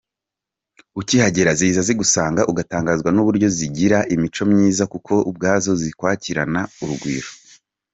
Ukihagera ziza zigusanga, ugatangazwa n’uburyo zigira imico myiza kuko ubwazo zikwakirana urugwiro.